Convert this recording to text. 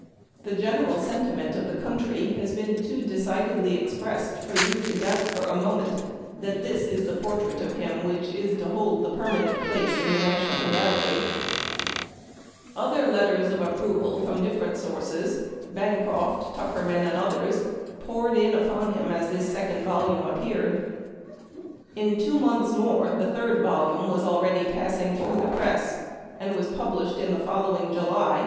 The gen eral sentiment of the country has been too decidedly expressed for you to doubt for a moment that this is the portrait of him which is to hold a permanent place in the national galle: Other letters of approval from different sources, Bancroft, Tuckerman, and others, poured in upon him as this second volume appeared. In two months more the third volume was already :ig through the press, and was published in the following July, (1856.)